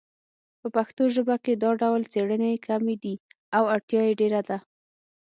په پښتو ژبه کې دا ډول څیړنې کمې دي او اړتیا یې ډېره ده